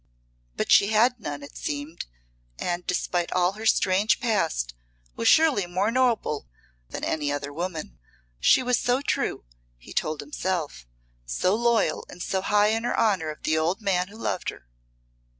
But she had none, it seemed, and despite all her strange past was surely more noble than any other woman. She was so true he told himself so loyal and so high in her honour of the old man who loved her.